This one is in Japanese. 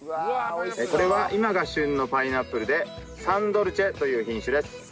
これは今が旬のパイナップルでサンドルチェという品種です。